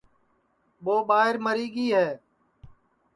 ٻو ٻائیر مری گی ہے